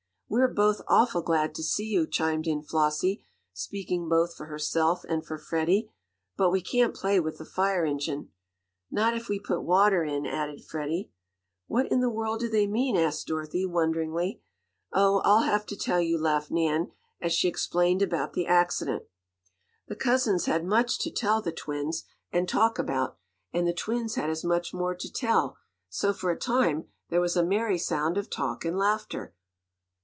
"We're both awful glad to see you!" chimed in Flossie, speaking both for herself and for Freddie. "But we can't play with the fire engine." "Not if we put water in," added Freddie. "What in the world do they mean?" asked Dorothy, wonderingly. "Oh, I'll have to tell you," laughed Nan, as she explained about the accident. The cousins had much to tell the twins, and talk about, and the twins had as much more to tell, so, for a time, there was a merry sound of talk and laughter.